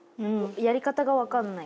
やり方がわかんない。